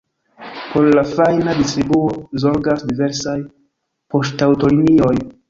Por la fajna distribuo zorgas diversaj poŝtaŭtolinioj.